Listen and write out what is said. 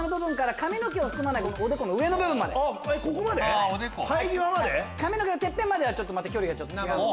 髪の毛のてっぺんまではちょっとまた距離が違うんで。